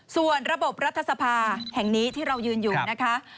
ส่วนระบบรัฐสภาแห่งนี้ที่เรายืนอยู่นะคะ